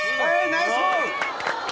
ナイスゴール！